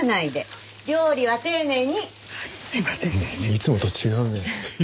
いつもと違うね。